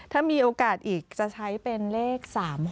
ถ้ามีโอกาสอีกจะใช้เป็นเลข๓๖